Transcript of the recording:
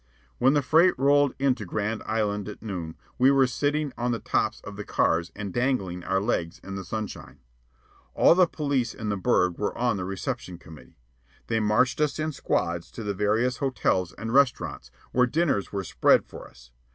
When the freight rolled into Grand Island at noon, we were sitting on the tops of the cars and dangling our legs in the sunshine. All the police in the burg were on the reception committee. They marched us in squads to the various hotels and restaurants, where dinners were spread for us.